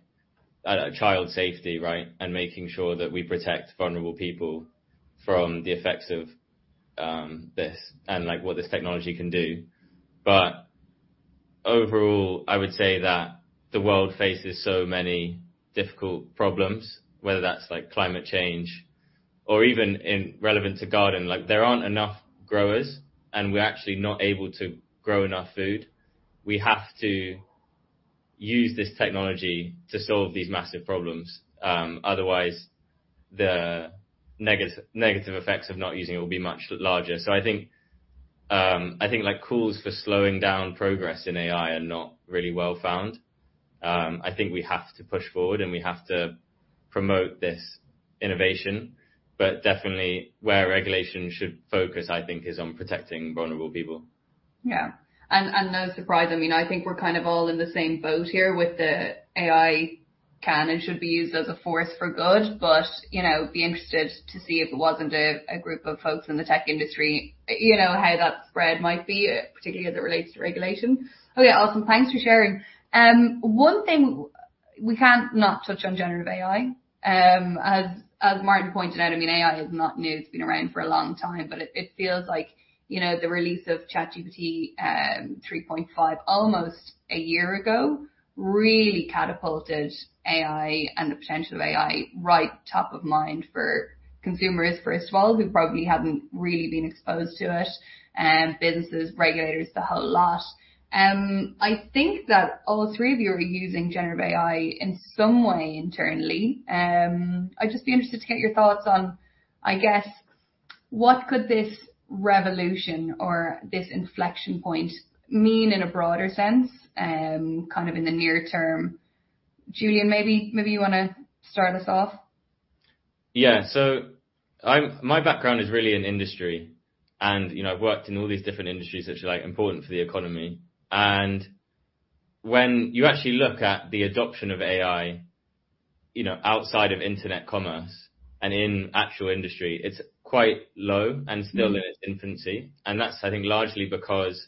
child safety, right? And making sure that we protect vulnerable people from the effects of, this and, like, what this technology can do. But overall, I would say that the world faces so many difficult problems, whether that's like climate change or even irrelevant to Gardin, like, there aren't enough growers, and we're actually not able to grow enough food. We have to use this technology to solve these massive problems, otherwise, the negative effects of not using it will be much larger. So I think, like, calls for slowing down progress in AI are not really well found. I think we have to push forward, and we have to promote this innovation, but definitely where regulation should focus, I think, is on protecting vulnerable people. Yeah. And no surprise, I mean, I think we're kind of all in the same boat here with the AI can and should be used as a force for good, but, you know, be interested to see if it wasn't a group of folks in the tech industry, you know, how that spread might be, particularly as it relates to regulation. Oh, yeah, awesome. Thanks for sharing. One thing we can't not touch on generative AI, as Martin pointed out, I mean, AI is not new. It's been around for a long time, but it feels like, you know, the release of ChatGPT-3.5 almost a year ago, really catapulted AI and the potential of AI right top of mind for consumers, first of all, who probably haven't really been exposed to it, businesses, regulators, a whole lot. I think that all three of you are using generative AI in some way internally. I'd just be interested to get your thoughts on, I guess, what could this revolution or this inflection point mean in a broader sense, kind of in the near term? Julian, maybe, maybe you wanna start us off? Yeah. So, my background is really in industry, and, you know, I've worked in all these different industries which are, like, important for the economy. And when you actually look at the adoption of AI, you know, outside of internet commerce and in actual industry, it's quite low and still in its infancy, and that's, I think, largely because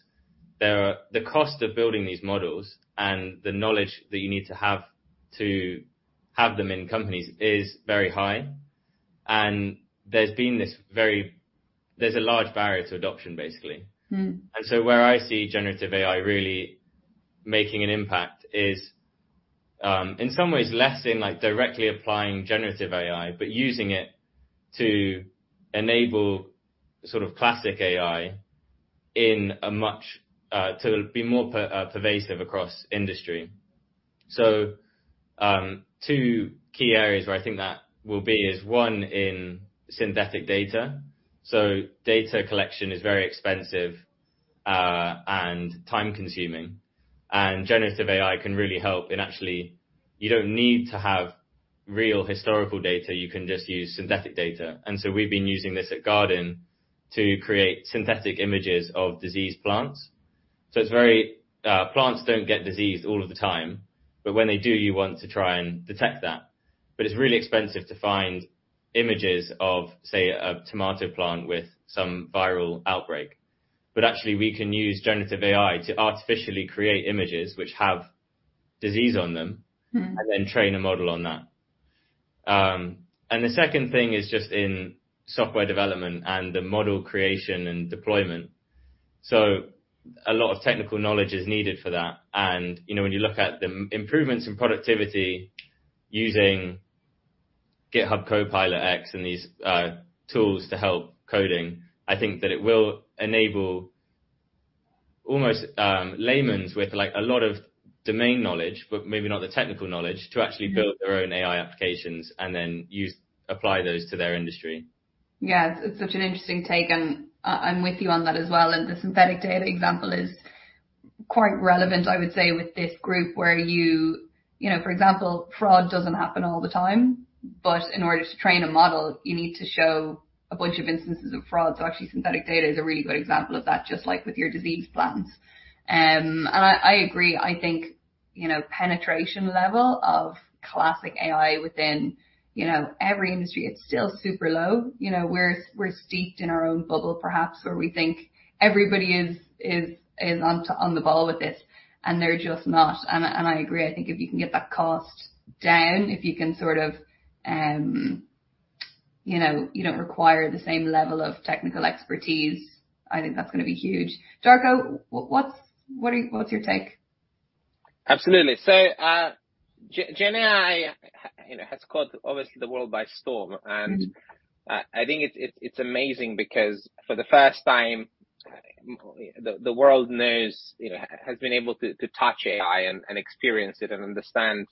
there are... The cost of building these models and the knowledge that you need to have to have them in companies is very high, and there's a large barrier to adoption, basically. Mm-hmm. Where I see generative AI really making an impact is, in some ways, less in, like, directly applying generative AI, but using it to enable sort of classic AI to be more pervasive across industry. Two key areas where I think that will be is, one, in synthetic data. Data collection is very expensive and time-consuming, and generative AI can really help. Actually, you don't need to have real historical data, you can just use synthetic data. We've been using this at Gardin to create synthetic images of diseased plants. Plants don't get diseased all of the time, but when they do, you want to try and detect that. It's really expensive to find images of, say, a tomato plant with some viral outbreak. But actually, we can use generative AI to artificially create images which have disease on them- Mm-hmm. - and then train a model on that. And the second thing is just in software development and the model creation and deployment. So a lot of technical knowledge is needed for that. And, you know, when you look at the improvements in productivity using GitHub Copilot X and these tools to help coding, I think that it will enable almost layman's with, like, a lot of domain knowledge, but maybe not the technical knowledge, to actually build their own AI applications and then apply those to their industry. Yeah, it's such an interesting take, and I'm with you on that as well. The synthetic data example is quite relevant, I would say, with this group where you... You know, for example, fraud doesn't happen all the time, but in order to train a model, you need to show a bunch of instances of fraud. So actually, synthetic data is a really good example of that, just like with your diseased plants. I agree. I think, you know, penetration level of classic AI within, you know, every industry, it's still super low. You know, we're steeped in our own bubble, perhaps, where we think everybody is on the ball with this, and they're just not. And I agree, I think if you can get that cost down, if you can sort of, you know, you don't require the same level of technical expertise, I think that's going to be huge. Darko, what's your take? Absolutely. So, Gen AI, you know, has caught, obviously, the world by storm. Mm-hmm. And, I think it's amazing because for the first time, the world knows, you know, has been able to touch AI and experience it and understand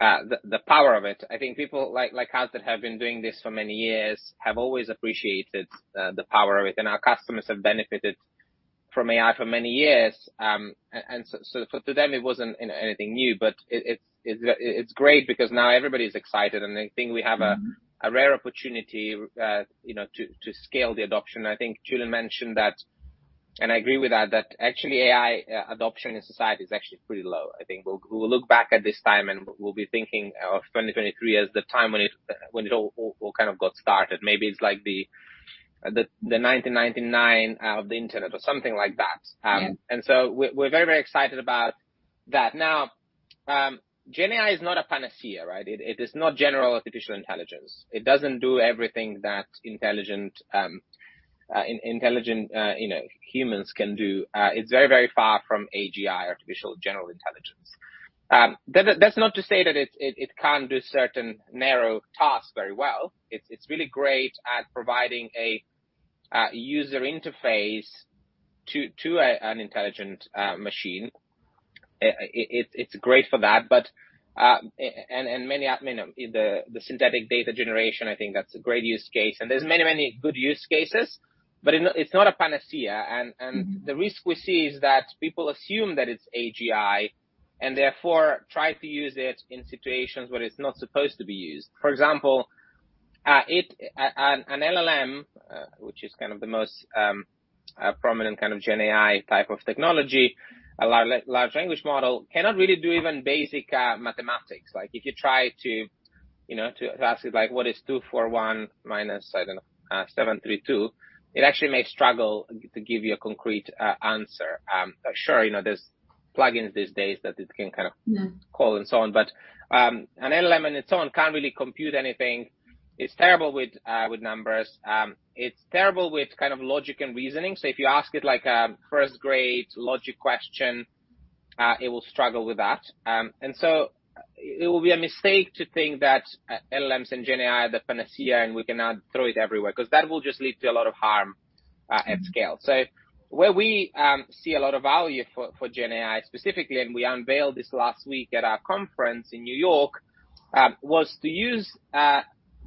the power of it. I think people like us that have been doing this for many years have always appreciated the power of it, and our customers have benefited from AI for many years. So to them, it wasn't anything new, but it's great because now everybody's excited, and I think we have a- Mm-hmm... a rare opportunity, you know, to scale the adoption. I think Julian mentioned that. And I agree with that, that actually AI adoption in society is actually pretty low. I think we'll, we will look back at this time, and we'll be thinking of 2023 as the time when it all kind of got started. Maybe it's like the 1999 of the internet or something like that. Yeah. And so we're very, very excited about that. Now, GenAI is not a panacea, right? It is not general artificial intelligence. It doesn't do everything that intelligent, you know, humans can do. It's very, very far from AGI, artificial general intelligence. That's not to say that it can't do certain narrow tasks very well. It's really great at providing a user interface to an intelligent machine. It's great for that, but... And many, I mean, in the synthetic data generation, I think that's a great use case, and there's many, many good use cases, but it's not a panacea. Mm-hmm. The risk we see is that people assume that it's AGI, and therefore try to use it in situations where it's not supposed to be used. For example, it, an LLM, which is kind of the most prominent kind of GenAI type of technology, a large language model, cannot really do even basic mathematics. Like, if you try to, you know, to ask it, like, what is 241-72? It actually may struggle to give you a concrete answer. Sure, you know, there's plugins these days that it can kind of- Mm. An LLM on its own can't really compute anything. It's terrible with numbers. It's terrible with kind of logic and reasoning. If you ask it like a first-grade logic question, it will struggle with that. It will be a mistake to think that LLMs and GenAI are the panacea, and we can now throw it everywhere, 'cause that will just lead to a lot of harm at scale. Mm. Where we see a lot of value for GenAI, specifically, and we unveiled this last week at our conference in New York, was to use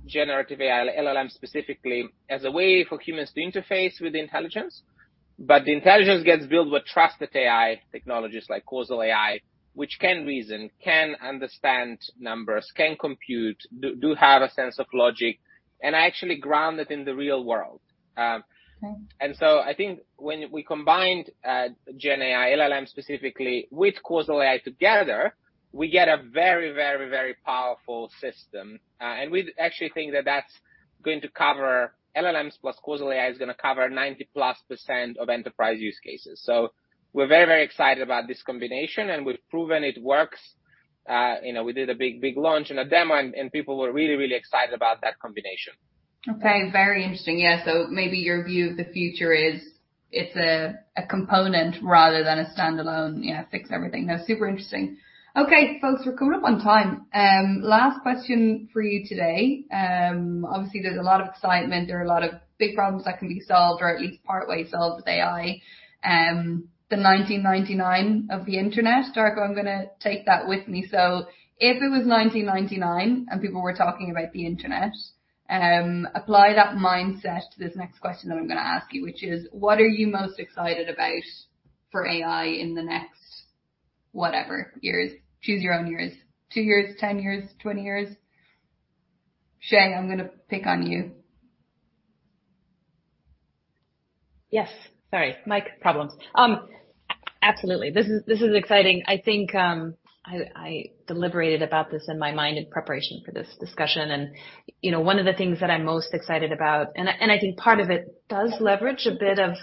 generative AI, LLM specifically, as a way for humans to interface with intelligence. But the intelligence gets built with trusted AI technologies like causal AI, which can reason, can understand numbers, can compute, have a sense of logic, and are actually grounded in the real world. Mm. I think when we combined GenAI, LLM specifically, with causal AI together, we get a very, very, very powerful system, and we actually think that that's going to cover... LLMs plus causal AI is going to cover 90+% of enterprise use cases. We're very, very excited about this combination, and we've proven it works. You know, we did a big, big launch and a demo, and people were really, really excited about that combination. Okay, very interesting. Yeah. So maybe your view of the future is it's a component rather than a standalone, you know, fix everything. No, super interesting. Okay, folks, we're coming up on time. Last question for you today. Obviously, there's a lot of excitement. There are a lot of big problems that can be solved or at least partway solved with AI. The 1999 of the internet. Darko, I'm going to take that with me. So if it was 1999 and people were talking about the internet, apply that mindset to this next question that I'm going to ask you, which is: what are you most excited about for AI in the next whatever years? Choose your own years. 2 years, 10 years, 20 years. Shay, I'm going to pick on you. Yes. Sorry, mic problems. Absolutely. This is exciting. I think I deliberated about this in my mind in preparation for this discussion, and you know, one of the things that I'm most excited about, and I think part of it does leverage a bit of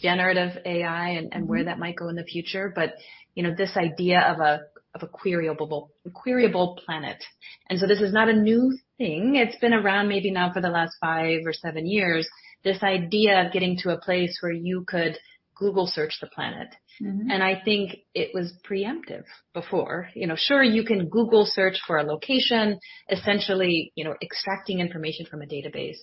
generative AI- Mm. where that might go in the future, but, you know, this idea of a, of a queryable, queryable planet, and so this is not a new thing. It's been around maybe now for the last 5 or 7 years, this idea of getting to a place where you could Google search the planet. Mm-hmm. And I think it was preemptive before. You know, sure, you can Google search for a location, essentially, you know, extracting information from a database.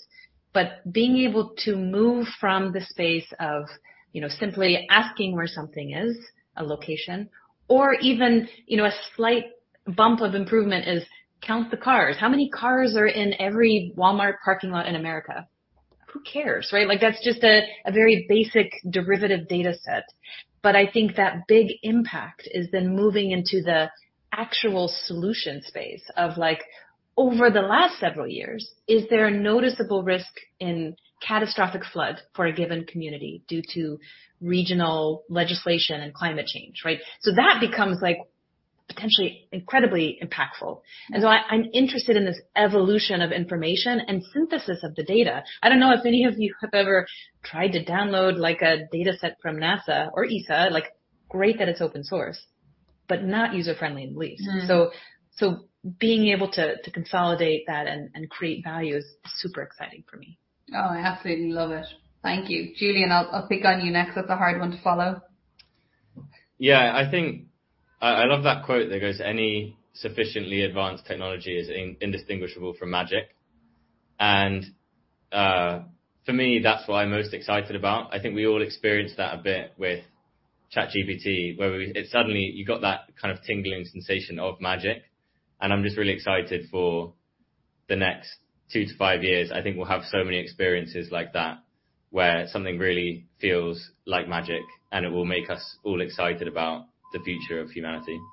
But being able to move from the space of, you know, simply asking where something is, a location, or even, you know, a slight bump of improvement is: count the cars. How many cars are in every Walmart parking lot in America? Who cares, right? Like, that's just a, a very basic derivative data set. But I think that big impact is then moving into the actual solution space of, like, over the last several years, is there a noticeable risk in catastrophic flood for a given community due to regional legislation and climate change, right? So that becomes, like, potentially incredibly impactful. Mm. And so I'm interested in this evolution of information and synthesis of the data. I don't know if any of you have ever tried to download, like, a dataset from NASA or ESA. Like, great that it's open source, but not user-friendly in the least. Mm. So being able to consolidate that and create value is super exciting for me. Oh, I absolutely love it. Thank you. Julian, I'll, I'll pick on you next. That's a hard one to follow. Yeah, I think I love that quote that goes: "Any sufficiently advanced technology is indistinguishable from magic." And, for me, that's what I'm most excited about. I think we all experienced that a bit with ChatGPT, where we-- it suddenly, you got that kind of tingling sensation of magic, and I'm just really excited for the next 2-5 years. I think we'll have so many experiences like that, where something really feels like magic, and it will make us all excited about the future of humanity.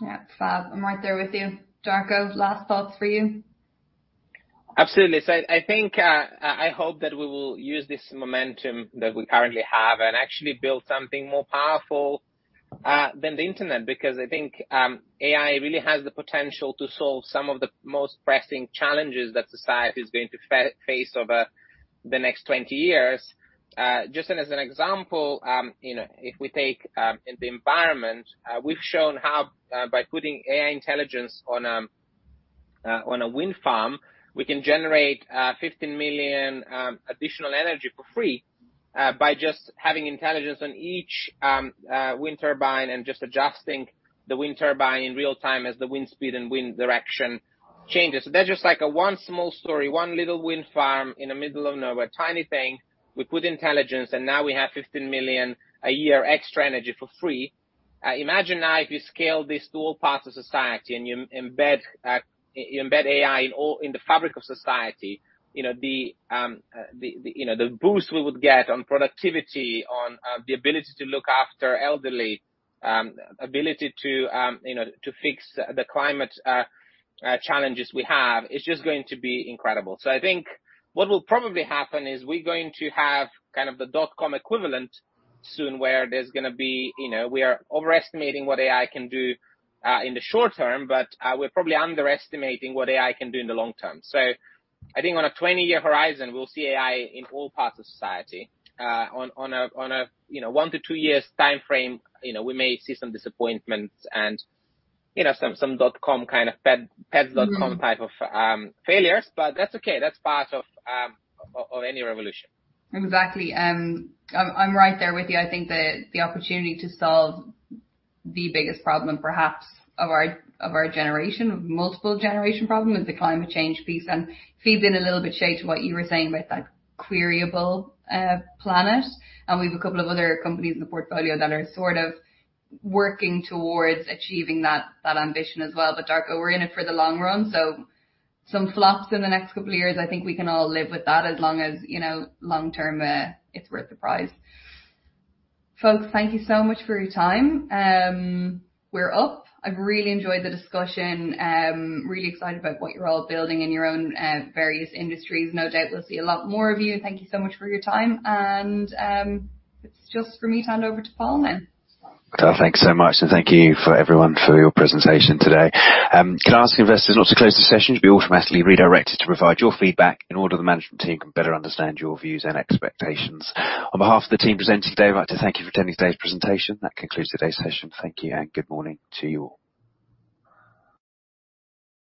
Yeah, fab. I'm right there with you. Darko, last thoughts for you?... Absolutely. So I, I think, I, I hope that we will use this momentum that we currently have and actually build something more powerful than the internet, because I think, AI really has the potential to solve some of the most pressing challenges that society is going to face over the next 20 years. Just as an example, you know, if we take in the environment, we've shown how by putting AI intelligence on a wind farm, we can generate 15 million additional energy for free by just having intelligence on each wind turbine and just adjusting the wind turbine in real time as the wind speed and wind direction changes. So that's just like one small story, one little wind farm in the middle of nowhere, tiny thing. We put intelligence, and now we have 15 million a year extra energy for free. Imagine now if you scale this to all parts of society, and you embed, you embed AI in all- in the fabric of society, you know, the, the, you know, the boost we would get on productivity, on, the ability to look after elderly, ability to, you know, to fix the climate, challenges we have, it's just going to be incredible. So I think what will probably happen is we're going to have kind of the dot-com equivalent soon, where there's going to be... You know, we are overestimating what AI can do, in the short term, but, we're probably underestimating what AI can do in the long term. So I think on a 20-year horizon, we'll see AI in all parts of society. On a, you know, 1-2 years timeframe, you know, we may see some disappointments and, you know, some dot-com kind of Pets.com type of failures, but that's okay. That's part of any revolution. Exactly. I'm right there with you. I think the opportunity to solve the biggest problem, and perhaps of our generation, multiple generation problem, is the climate change piece, and feeds in a little bit, Shay, to what you were saying about that queryable planet. We've a couple of other companies in the portfolio that are sort of working towards achieving that ambition as well. Darko, we're in it for the long run, so some flops in the next couple of years, I think we can all live with that as long as, you know, long term, it's worth the price. Folks, thank you so much for your time. We're up. I've really enjoyed the discussion. Really excited about what you're all building in your own various industries. No doubt we'll see a lot more of you. Thank you so much for your time, and it's just for me to hand over to Paul now. Thanks so much, and thank you for everyone, for your presentation today. Can I ask investors not to close the session? You'll be automatically redirected to provide your feedback in order the management team can better understand your views and expectations. On behalf of the team presenting today, I'd like to thank you for attending today's presentation. That concludes today's session. Thank you, and good morning to you all.